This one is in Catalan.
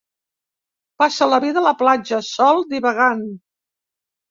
Passa la vida a la platja, sol, divagant.